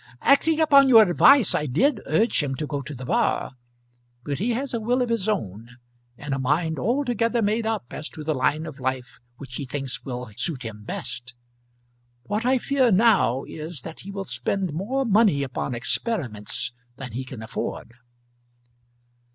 "Acting upon your advice I did urge him to go to the bar. But he has a will of his own, and a mind altogether made up as to the line of life which he thinks will suit him best. What I fear now is, that he will spend more money upon experiments than he can afford."